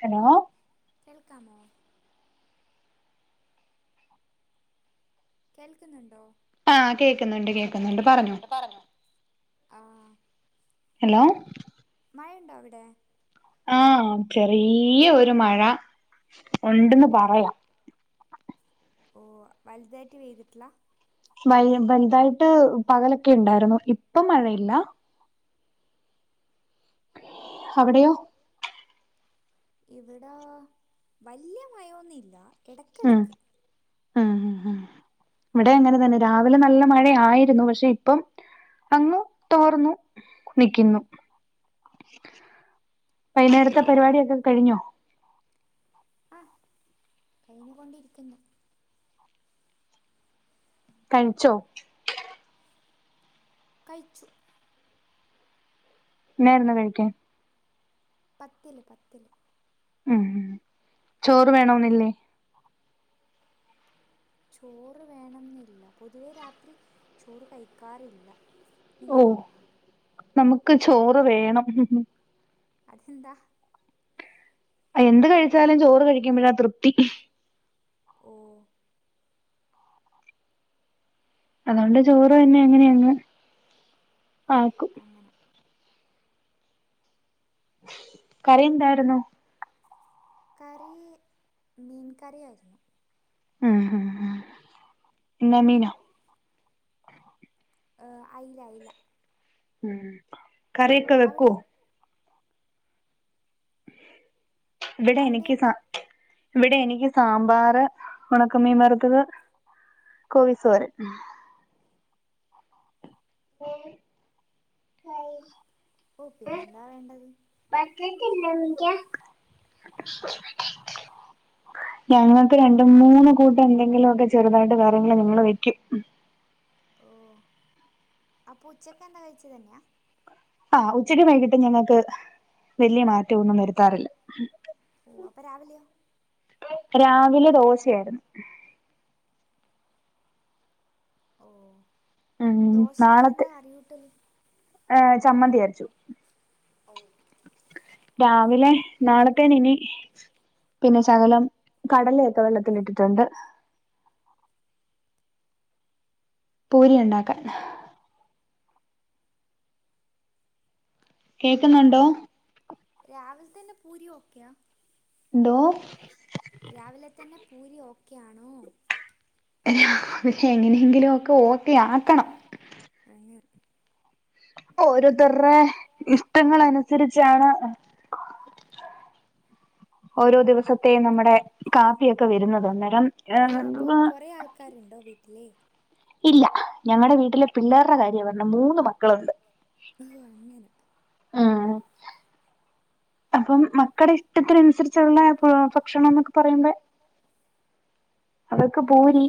Hello കേൾക്കാമോ കേൾക്കുന്ന്ണ്ടോ [unintelligible] കേക്ക്ന്ന്ണ്ട് പറഞ്ഞോ ആ ഹലോ മയ ണ്ടോ അവിടെ ആ ചെറിയ്യ ഒരു മഴ ഉണ്ടന്ന് പറയാം ഓ വൽതായ്റ്റ് പെയ്ത്ട്ട്ല [unintelligible] വൽതായ്ട്ട് പകലൊക്കിണ്ടാരുന്നു ഇപ്പൊ മഴയില്ല അവിടെയോ ഇവിടാ വല്ല്യെ മയൊന്നില്ല ഉം ഉം വടേം അങ്ങന തന്നെ രാവിലെ നല്ല മഴ ആയിരുന്നു പക്ഷെ ഇപ്പം [unintelligible] ന്നു തോർന്നു നിക്കുന്നു വൈന്നേരത്തെ പരിവാടിയോക്കം കഴിഞ്ഞോ ആ കയ്ഞ് കൊണ്ടിരിക്കുന്നു കഴിച്ചോ കൈച്ചു ന്നാ യിരുന്നു കഴിക്കാൻ പത്തല് പത്തല് ഉം ചോറ് വേണോന്നില്ലേ ചോറ് വേണം ന്നില്ല പൊതുവെ രാത്രി ചോറ് കഴിക്കാറില്ല ഓ നമുക്ക് ചോറ് വേണം അതെന്താ എന്ത് കഴിച്ചാലും ചോറ് കഴിക്കുമ്പഴാ തൃപ്തി ഓ അതോണ്ട് ചോറ് തന്നെ ങ്ങനെയങ്ങ് ആക്കും അങ്ങനെ കറി എന്തായ്രുന്നു കറി മീൻ കറി ആയിരുന്നു മംമം മം എന്നാ മീനാ ഹ് അയ്‌ല അയ്‌ല മം കറി ഒക്കെ വെക്കോ ഇവടെ എനിക്ക് സ ഇവടെ എനിക്ക് സാമ്പാറ് ഉണക്ക മീൻ വറ്ത്തത് കോവി സോരൻ ഓ പിന്നെന്താ വേണ്ടത് [inaudible] ഞങ്ങക്ക് രണ്ട് മൂന്ന് കൂട്ടെന്തെങ്കിലൊക്കെ ചെറുതായ്ട്ട് കറികള് ഞങ്ങള് വെക്കും ഓ അപ്പുച്ചക്കെന്താ കഴിച്ചതന്യ ആഹ് ഉച്ചക്കും വൈകിട്ടും ഞങ്ങക്ക് വല്ല്യെ മാറ്റവൊന്നും വരുത്താറില്ല ഓ അപ്പൊ രാവിലെയോ രാവിലെ ദോശയായ്രുന്നു ഓ ദോശക്കെന്താ കറി കൂട്ടല് ഏഹ് ചമ്മന്തി അരച്ചു ഔ രാവിലെ നാളത്തേന് ഇനീ പിന്നെ ശകലം കടലയൊക്കെ വെള്ളത്തിലിട്ടിട്ടുണ്ട് പൂരി ഉണ്ടാക്കാൻ കേക്ക്ന്ന്ണ്ടോ രാവിൽ തന്നെ പൂരി ഓക്യാ എന്തോ രാവിലെ തന്നെ പൂരി ഓക്കെയാണോ എങ്ങനെയെങ്കിലും ക്കെ ഓക്കെ ആക്കണം അങ്ങനെ ഓരോത്തർടെ ഇഷ്ടങ്ങൾ അനുസരിച്ചാണ് ഓരോ ദിവസത്തെയുംനമ്മുടെ കാഫിയൊക്കെ വരുന്നത്ഓ അപ്പൊ കൊറേ ആൾ കാരുണ്ടോ വീട്ടില് ഇല്ല ഞങ്ങളുടെ വീട്ടില് പിള്ളേർടെ കാര്യമാണ് പറഞ്ഞത്‌ മൂന്ന് മക്കളുണ്ട് ഹോ അങ്ങനെ ആ അപ്പം മക്കടെ ഇഷ്ടത്തിന് അനുസരിച്ചുള്ള ഭക്ഷണം എന്നൊക്കെ പറയുമ്പോ അവർക്ക് പൂരി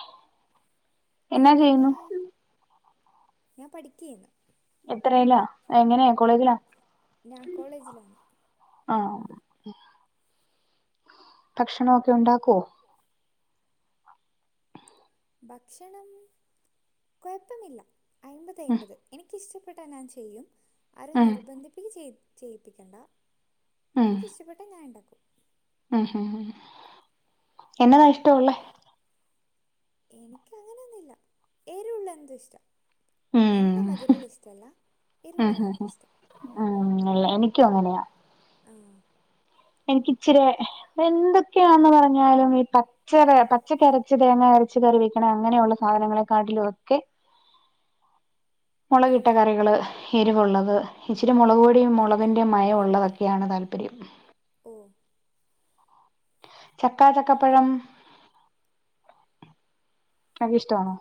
അവിടെഎവിടെ ഞാൻ പഠിക്കേ ന്നു എത്രയിലാ എങ്ങനെ കോളേജിലാ ഞാൻ കോളേജിലാന്ന് ആം ഭക്ഷണോക്കെ ഭക്ഷണം ഒക്കെ ഉണ്ടാക്കുവോ ഭക്ഷണം കൊയ്യപ്പമില്ല ആയിമ്പത് ആയിമ്പത് എനിക്ക് ഇഷ്ടം ഇഷ്ട്ടപെട്ടാ ഞാൻ ചെയ്യും ആരും നിർബന്ധിപ്പിച്ച് ചെയ്യിപ്പിക്കേണ്ട എനിക്കിഷ്ടപ്പെട്ട ഞാൻ ഇണ്ടാക്കും ഹഹഹ എന്നതാ ഇഷ്ട്ടഒള്ളെ എനിക്ക് അങ്ങനെയൊന്നുല്ലഎരുവുള്ള എന്തും ഇഷ്ട്ട നല്ലമധുരമുള്ള ഇഷ്ടല്ല എരുവുള്ളത് ഭയങ്കര ഇഷ്ട്ട ഉം ഉം എനിക്കും അങ്ങനെയാ ആഹ് എനക്ക് ഇച്ചരേ എന്തൊക്കെയാന്ന് പറഞ്ഞാലും ഈ പ [unintelligible] പച്ചക്കരച്ച് തേങ്ങ അരച്ച് കറിവെയ്യ്ക്കണം അങ്ങനെയുള്ള സാധനങ്ങളെക്കാട്ടിലും ഒക്കെ [unintelligible] മുളകിട്ട കറികള്. എരിവുള്ളത് ഇച്ചിരി മൊളക്കു- പ്പൊടിയും മൊളക്കിന്റെ മയം ഉള്ളതൊക്കെയാണ് താല്പര്യം..... മ്മ് ചക്ക ചക്കപ്പഴം അത് ഇഷ്ടവണോ?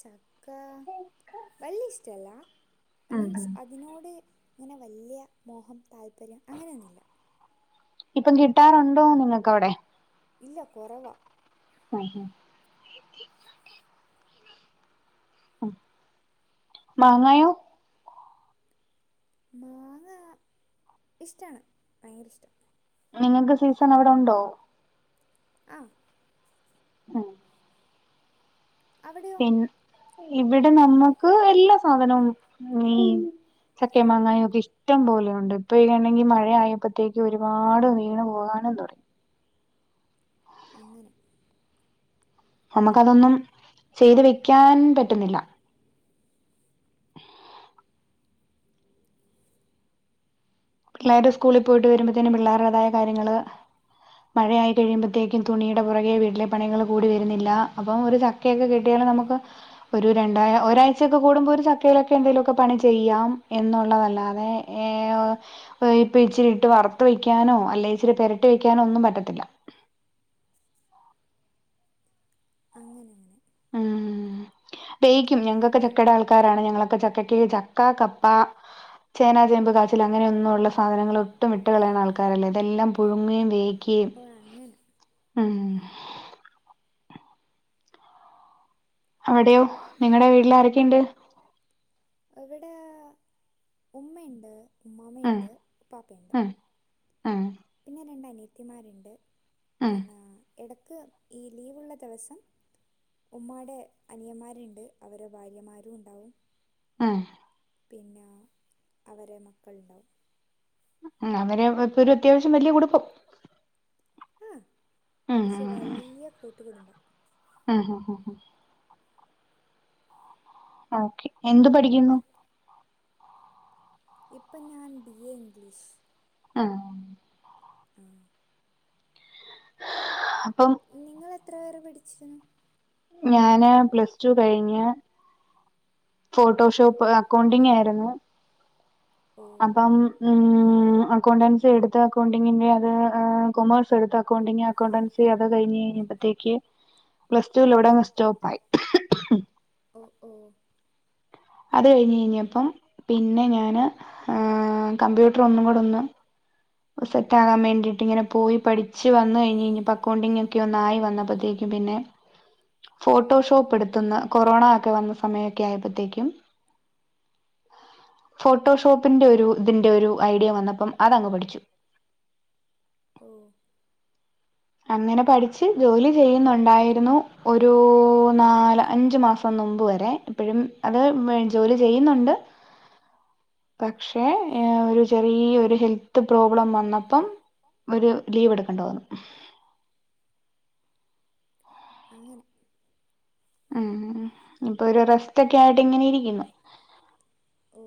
ചക്ക വല്ല്യ ഇഷ്ട്ടല്ല മീൻസ് അ. അതിനോട് അങ്ങനെ വല്ല്യ മോഹം., താല്പര്യം, അങ്ങനെയൊന്ന് ഇല്ല. ഇപ്പം കിട്ടാറുണ്ടോ നിങ്ങൾക്ക് അവിടെ? ഇല്ല കൊറവാ? ആ ആ മാങ്ങയോ. മാങ്ങ ഇഷ്ട്ടാണ് ഭയങ്കര ഇഷ്ട്ടാ... നിങ്ങക്ക് സീസൺ അവിടെ ഉണ്ടോ? ആ ഉം അവിടെ പിന്നെ ഇവിടെ നമ്മക്ക് എല്ലാ സാധനവും മീൻ ചക്കെ മാങ്ങായോക്കെ ഇഷ്ടം ഇഷ്ട്ടം പോലെയുണ്ട്. ഇപ്പണെങ്കിൽ മഴ ആയപ്പോഴത്തേക്ക് ഒരുപാട് വീണ് പോകാനും തുടങ്ങി..... അങ്ങനെ. നമ്മക്ക് അതൊന്നും ചെയ്യ്തു വെക്കാൻ പറ്റുന്നില്ല.... പിള്ളേര് സ്കൂളിൽ പോയിട്ട് വരുമ്പത്തേനും. പിള്ളേരുടേതായ കാര്യങ്ങള് മ്മ് മഴയായി കഴിയുമ്പോഴത്തേക്കും. തുണിയുടെ പുറകെ വീട്ടിലെ പണികൾ കൂടി വരുന്നില്ല. അപ്പം ഒരു ചക്കയൊക്കെ കിട്ടിയാലും നമ്മുക്ക് ഒരു രണ്ടായ ഒരാഴ്ചൊക്കെ കൂടുമ്പോ ഒരു ചക്കയിലൊക്കെ എന്തെങ്കലുമ ഒക്കെ പണി. ചെയ്യാം. എന്നുള്ളതല്ലാതെ.... ഇപ്പോ ഇച്ചിരി ഇട്ട് വറുത്ത് വയ്ക്കാനോ അല്ലെ ഇച്ചിരി പരട്ടി വയ്ക്കാനോ ഒന്നും പറ്റത്തില്ല. അങ്ങനെ അങ്ങനെ. ഉം പേക്കും ഞങ്ങളൊക്കെ ചക്കടെ ആൾക്കാരാണ് ഞങ്ങളൊക്കെ ചക്കക്ക് ചക്ക കപ്പ ചേനാ ചേമ്പ് കാച്ചിൽ അങ്ങനെയൊന്നുള്ള സാധനങ്ങൾ ഒട്ടും വിട്ട് കളയുന്ന ആൾക്കരല്ല ഇതെല്ലാം പുഴുങ്ങേ വേവിക്കേയും.. ഓ അങ്ങനെ. ഉം അവിടെയോ നിങ്ങളടെ വീട്ടിൽ ആരൊക്കെ ഉണ്ട് ഇവിടെ ഉമ്മയുണ്ട് ഉമ്മാമേണ്ട് ഉപ്പാപ്പേണ്ട്. ആഹ പിന്നെ രണ്ടനിയത്തിമാരുണ്ട് പിന്നെ എടക്ക് ഈ ലീവുള്ള ദിവസം ഉമ്മായുടെ അനിയന്മാരുണ്ട് അവരുടെ ഭാര്യ മാരും ഉണ്ടാവും ആ പിന്നെ അവരെ മക്കളുണ്ടാവും. അങ്ങനെ ഇപ്പൊ ഒരു അത്യാവശ്യം വലിയ കുടുംബം. ആ കുറച്ച് വലിയ കൂട്ടുകുടുംബ. ആ ഓക്കെ എന്ത് പഠിക്കുന്നു? ഇപ്പൊ ഞാൻ ബി എ ഇംഗ്ലീഷ്. ആ. ആ അപ്പം നിങ്ങ എത്ര വരെ പഠിച്ചു ഞാന് പ്ലസ് ടു കഴിഞ്ഞ് ഫോട്ടോഷോപ്പ് അക്കൗണ്ടിങ്ങ് ആയിരുന്നു. അപ്പം ഉ അക്കൗണ്ടൻസി എടുത്ത് അക്കൗണ്ടിങ്ങിന്റെ അത് കൊമേഴ് ഇപ്പോഴ്‌ത്തെ അക്കൗണ്ടിങ് അക്കൗണ്ടൻസി ഒക്കെ കെയിഞ്ഞ് ഇപ്പത്തേക്ക് പ്ലസ് ടുവിൽ ഇവിടങ്ങ് സ്റ്റോപ്പായി. ഒ ഓ അത് കെെഞ്ഞൈഞപ്പം പിന്നെ ഞാന് ഹ് ഹ് ഹ് കംമ്പ്യൂട്ടറ് ഒന്നുങ്കൂടൊന്ന് സെറ്റാകാൻ മേണ്ടിയിട്ട് ഇങ്ങനെ പോയി പഠിച്ച് വന്നു കഴിഞ്ഞ് കഴിഞ്ഞപ്പോ അക്കൗണ്ടിങ്ങോക്കെ ഒന്നായി വന്നപ്പത്തേക്കും പിന്നെ ഫോട്ടോഷോപ്പെട്ത്ത്ന്ന് കൊറോണ ഒക്കെ വന്ന് സമയൊക്കെ ആയപ്പത്തേക്കും ഫോട്ടോഷോപ്പിന്റെ ഒരു ഇതിന്റെ ഒരു ഐഡിയ വന്നപ്പം അതങ്ങ് പഠിച്ചു. ഓ അങ്ങനെ പഠിച്ച് ജോലി ചെയ്യുന്നുണ്ടായിരുന്നു ഒരു നാല് അഞ്ച്മാസം. ഇപ്പം നുമ്പ് വരെ ഇപ്പഴും അത് വ ജോലി ചെയ്യുന്നുണ്ട് പക്ഷേ ഏ ഒരു ചെറിയൊരു ഹെൽത്ത് പ്രോബ്ലം വന്നപ്പം ഒരു ലീവ് എടുക്കണ്ട് വന്നു അങ്ങനെ ഉം ഇപ്പൊ ഒരു റസ്റ്റൊക്കെ ആയിട്ട് ഇങ്ങനെ ഇരിക്കുന്നു. ഓ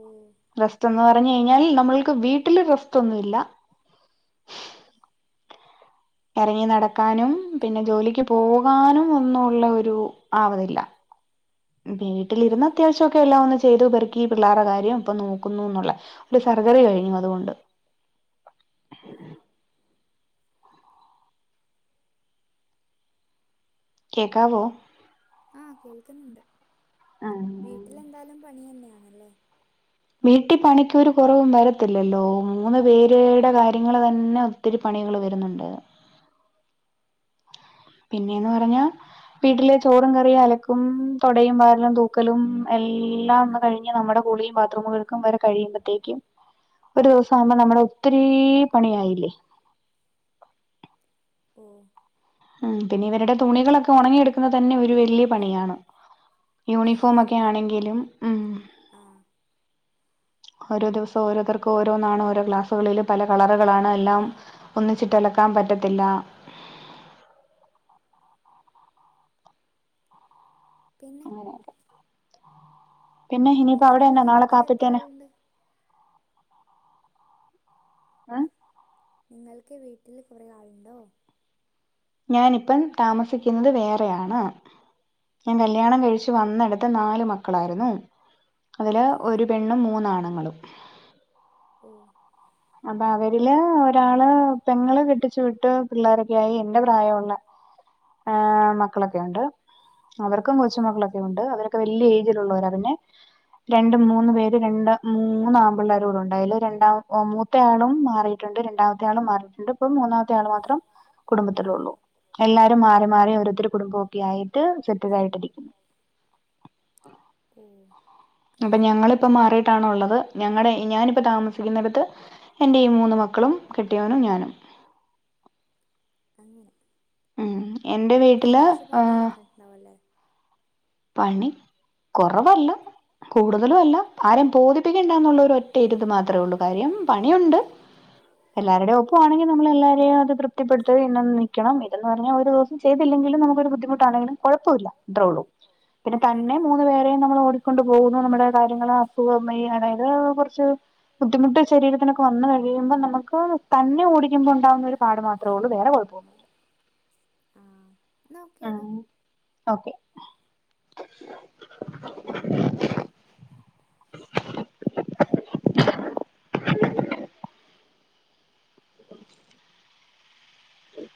റെസ്റ്റെന്ന് പറഞ്ഞെെെഞ്ഞാൽ നമ്മൾക്ക് വീട്ടില് റെസ്റ്റൊന്നുല്ല. എർങ്ങി നടക്കാനും പിന്നെ ജോലിക്ക് പോകാനും ഒന്നും ഉള്ളെ ഒരു ആവതില്ലാ വീട്ടിലിര്ന്ന് അത്യാവശ്യക്കെ എല്ലാം ഒന്ന് ചെയ്ത് പെറ്ക്കി ഈ പിള്ളേരെ കാര്യം ഇപ്പൊ നോക്കുന്നുന്നുള്ള ഒരു ശറ്ജറി കഴിഞ്ഞു അതുകൊണ്ട്. കേക്കാവോ ആ കേൾക്ക്ന്ന്ണ്ട്. ആ ട്ടിലെന്തായാലും പണി യെന്നെയാന്നല്ലേ? വീട്ടിപ്പണിക്കൊരു കുറവും വരത്തില്ലല്ലോ മൂന്ന് പേര്ടെ കാര്യങ്ങള് തന്നെ ഒത്തിരി പണികള് വര്ന്ന്ണ്ട് പിന്നേന്ന് പറഞ്ഞാ വീട്ടിലെ ചോറും കറിയും അലക്കും തൊടയും വാരലും തൂക്കലും എല്ലാം ഒന്ന് കഴിഞ്ഞ് നമ്മ്ടെ കുളിം ബാത്റൂമ് കഴുക്കം വരെ കഴീബത്തേക്ക് ഒരു ദിവ്സാവുമ്പം നമ്മള് ഒത്തിരീ പണി ആയില്ലെ ഓഹ് ഉം പിന്നെ ഇവരുടെ തുണികളൊക്കെ ഒണങ്ങിയെട്ക്ക്ണെത് തന്നെ ഒരു വല്യ പണിയാണ് യൂണിഫോമൊക്കെ ആണെങ്കിലും ഓരോ ദിവസം ഓരോത്തർക്ക് ഓരോന്നാണ് ഓരോ ഗ്ലാസ്സുകളില് പല കളറ്കളാണ് എല്ലാം ഒന്നിച്ചിട്ടലക്കാം പറ്റത്തില്ലാ പിന്ന ആഹ് നിങ്ങൾക്ക് ഈ വീട്ടില് എത്ര ആള്ണ്ട് ഏഹ് നിങ്ങൾക്ക് വീട്ടിൽ കുറെേ ആളുണ്ടോ ഞാനിപ്പം താമസിക്ക്ന്നത് വേറെയാണ് ഞാൻ കല്യാണം കഴിച്ചു വന്നെടുത്ത നാല് മക്കളായിരുന്നു അതില് ഒര് പെണ്ണും മൂന്നാണ്ങ്ങളും ഓഹ് അപ്പൊ അവരില് ഒരാള് പെങ്ങള് കെട്ടിച്ചു വിട്ട് പിള്ളോരൊക്കെ ആയി എന്റെ പ്രായം ഉള്ളെ ആഹ് മക്കളൊക്കെ ഒണ്ട് അവർക്കും കൊച്ചുമക്കളൊക്കെ ഒൺ ണ്ട് അവരൊക്കെ വലിയ ഏജിലുള്ളവര പിന്നെ രണ്ട് മൂന്ന് പേര് രണ്ട് മൂന്നാമ്പിള്ളേരൂടൊണ്ട് അയ്ല് രണ്ടാ ഒ മൂത്തെയാളും മാറിയിട്ടുണ്ട് രണ്ടാം രാള് മാറീട്ട്ണ്ട് ഇപ്പം മൂന്നാമത്തെ ആള് മാത്രം കുടുംബത്തിലാെള്ളൂ എല്ലാ മാറി മാറി ഓരോത്തര് കുടുംബം ഒക്കെ ആയിട്ട് സെറ്റ്ലായിട്ടിരിക്കുന്നു ഓഹ് അപ്പൊ ഞങ്ങളിപ്പ മാറിട്ടാണ്ള്ളത് ഞങ്ങടെ ഞാനിപ്പ താമസിക്കുന്നടത്ത് എൻ്റെ ഈ മൂന്ന് മക്കളും കെട്ടിയോനും ഞാനും അങ്ങെനെ ഇപ്പം കൊർച്ച് പണി കൊർഞ്ഞിട്ടുണ്ടാവും അല്ലേ പണി കൊറവല്ല കൂടുതലും അല്ല ആരേം ബോധിപ്പിക്കെണ്ടാന്നുള്ളൊരു ഒറ്റ ഇത് ത് മാത്രേ ഒള്ളൂ കാര്യം പണിയുണ്ട് എല്ലാരുടേം ഒപ്പം ആണെങ്കി നമ്മൾ എല്ലാരേം അത് തൃപ്തിപ്പെട്ത്തൽ [unintelligible] നിക്കണം ഇതെന്ന് പർഞ്ഞാ ഒരൂസ് ചെയ്തില്ലെങ്കിലും നമുക്കാെരു ബുദ്ധിമുട്ടാണെയ്നും കൊഴപ്പവില്ല അത്യാേള്ളൂ പിന്നെ തന്നെ മൂന്ന് പേരെയും നമ്മൾ ഓടിക്കൊണ്ട് പോകുന്നു നമ്മ്ടെ കാര്യങ്ങള് അപ്പു അമ്മയാണേല് കുർച്ച് ബുദ്ധിമുട്ട് ശരീരത്തിനൊക്കെ വന്ന്കഴിയുബോ നമുക്ക് തന്നെ ഓടിക്കുബോ ഉണ്ടാവുന്ന ഒരു പാട് മാത്രേള്ളൂ വേറെ കുഴപ്പൊന്നു ആഹ് ഓക്കെ [inaudible] ഉപം